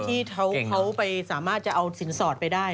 ที่เขาไปสามารถจะเอาสินสอดไปได้